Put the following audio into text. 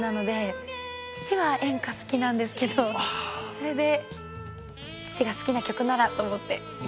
それで父が好きな曲ならと思って入れてます。